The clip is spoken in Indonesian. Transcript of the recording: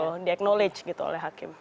betul di acknowledge gitu oleh hakim